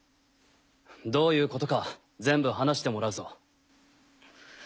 どういうことか全部話してもらうぞ。